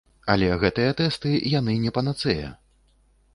Але гэтыя тэсты, яны не панацэя.